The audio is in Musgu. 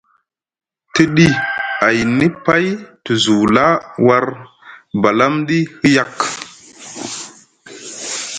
Tiɗi ayni pay te zula war balamɗi hiyak.